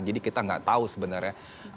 jadi kita nggak tahu sebenarnya akan seperti apa